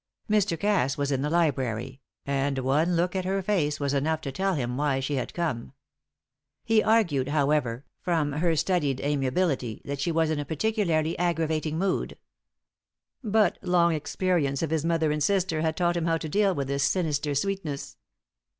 Mr. Cass was in the library; and one look at her face was enough to tell him why she had come. He argued, however, from her studied amiability, that she was in a particularly aggravating mood. But long experience of his mother and sister had taught him how to deal with this sinister sweetness.